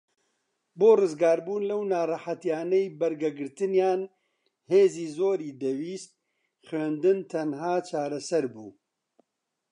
بۆ ڕزگاربوون لەو ناڕەحەتیانەی بەرگەگرتنیان هێزی زۆری دەویست خوێندن تەنھا چارەسەر بوو